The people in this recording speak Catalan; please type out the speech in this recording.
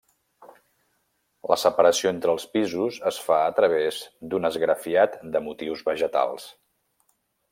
La separació entre els pisos es fa a través d'un esgrafiat de motius vegetals.